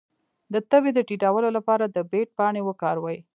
د تبې د ټیټولو لپاره د بید پاڼې وکاروئ